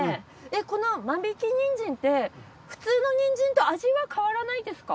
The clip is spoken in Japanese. この間引きニンジンって普通のニンジンと味は変わらないですか？